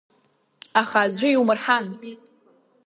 Аха аӡәы иумырҳан!